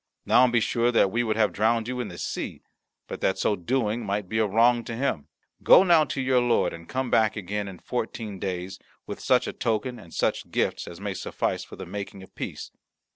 Now be sure that we would have drowned you in the sea, but that so doing might be a wrong to him. Go now to your lord, and come again in fourteen days with such a token and such gifts as may suffice for the making of peace."